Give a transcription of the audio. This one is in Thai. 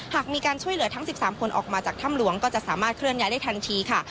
หากมีการช่วยเหลือทั้ง๑๓คนออกมาจากถ้ำหลวงก็จะสามารถเคลื่อนย้ายได้ทันทีค่ะ